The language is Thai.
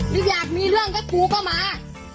อยากมีเรื่องก็ครูก็มา